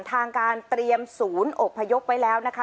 ทางการเตรียมศูนย์อบพยพไว้แล้วนะคะ